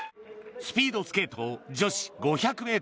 スピードスケート女子５００ｍ。